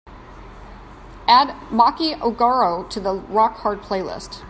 Add maki ohguro to the rock hard playlist